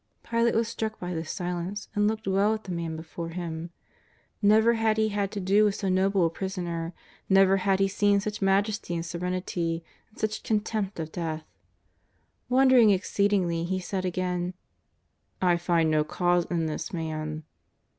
Pilate was struck by this silence and looked well at the Man before him. Never had he had to do with so noble a prisoner; never had he seen such majesty and serenity, and such contempt of death. Wondering exceedingly he said again: '^ I find no cause in this Man."